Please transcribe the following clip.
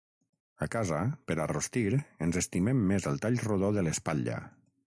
A casa, per a rostir ens estimem més el tall rodó de l’espatlla.